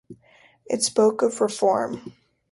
It spoke of reform.